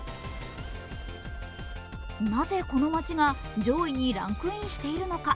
なぜこの町が上位にランクインしているのか。